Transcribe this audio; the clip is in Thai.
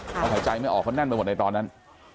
เขาหายใจไม่ออกเขาแน่นไปหมดในตอนนั้น